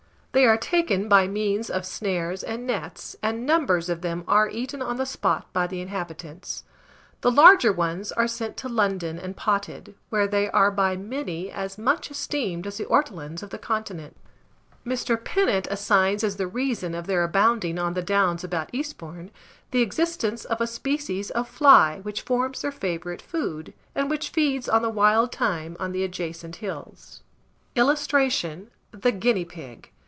They are taken by means of snares and nets, and numbers of them are eaten on the spot by the inhabitants. The larger ones are sent to London and potted, where they are by many as much esteemed as the ortolans of the continent. Mr. Pennant assigns as the reason of their abounding on the downs about Eastbourne, the existence of a species of fly which forms their favourite food, and which feeds on the wild thyme on the adjacent hills. [Illustration: THE GUINEA PIG.